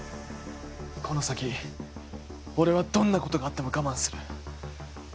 この先俺はどんな事があっても我慢する。